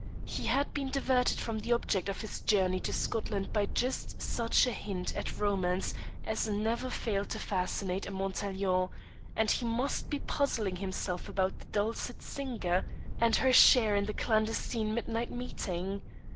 He had been diverted from the object of his journey to Scotland by just such a hint at romance as never failed to fascinate a Montaiglon, and he must be puzzling himself about the dulcet singer and her share in the clandestine midnight meeting.